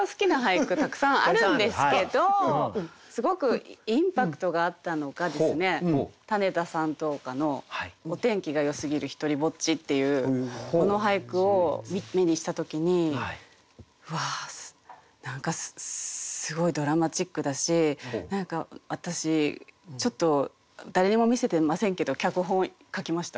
たくさんあるんですけどすごくインパクトがあったのが種田山頭火の「お天気がよすぎる独りぼつち」っていうこの俳句を目にした時にうわ何かすごいドラマチックだし何か私ちょっと誰にも見せてませんけど脚本書きました。